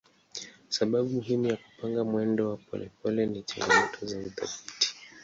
Sababu muhimu ya kupanga mwendo wa polepole ni changamoto za udhibiti.